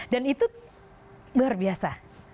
dan itu luar biasa